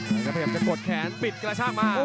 แล้วก็พยายามจะปลดแขนปิดกระช่างมาโอ้โห